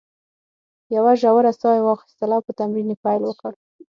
یوه ژوره ساه یې واخیستل او په تمرین یې پیل وکړ.